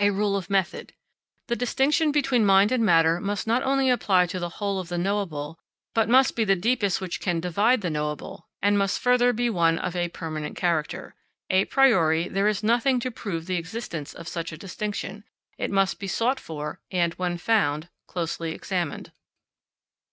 A Rule of Method. The distinction between mind and matter must not only apply to the whole of the knowable, but must be the deepest which can divide the knowable, and must further be one of a permanent character. A priori, there is nothing to prove the existence of such a distinction; it must be sought for and, when found, closely examined.